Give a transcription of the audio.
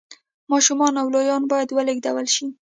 ماشومان او لویان باید ولېږدول شي